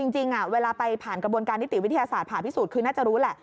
จริงเวลาไปผ่านกระบวนการนิติวิทยาศาสตร์ผ่าพิสูจน์คือน่าจะรู้แหละ